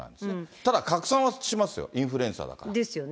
ただ拡散はしますよ、インフルエンサーだから。ですよね、